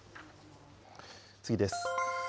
次です。